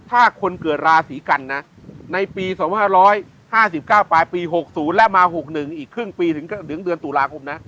ถ้าคนเกิดราศีกันนะในปี๒๕๕๙ปลายปี๖๐และมา๖๑อีกครึ่งปีถึงเดือนตุลาคมนะ